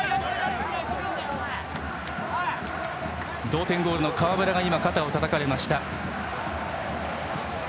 同点ゴールの川村が、肩をたたかれました。